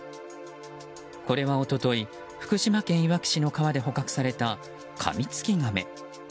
これは一昨日福島県いわき市の川で捕獲されたカミツキガメ。